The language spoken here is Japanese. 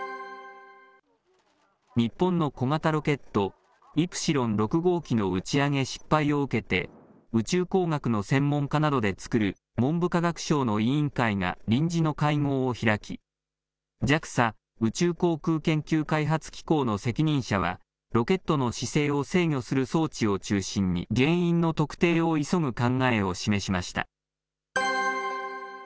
日本の小型ロケット、イプシロン６号機の打ち上げ失敗を受けて、宇宙工学の専門家などで作る文部科学省の委員会が臨時の会合を開き、ＪＡＸＡ・宇宙航空研究開発機構の責任者は、ロケットの姿勢を制御する装置を中心に、原因の特定を急ぐ考えを示しました。